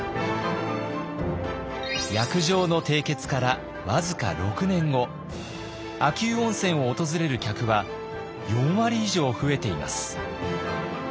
約定の締結から僅か６年後秋保温泉を訪れる客は４割以上増えています。